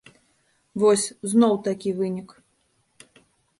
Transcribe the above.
Вось, зноў такі вынік.